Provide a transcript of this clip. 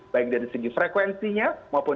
baik dari segi frekuensinya maupun